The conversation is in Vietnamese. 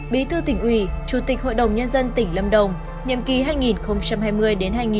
bí thư tỉnh ủy chủ tịch hội đồng nhân dân tỉnh lâm đồng